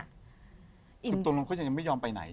คือตรงก็จะไม่ยอมไปไหน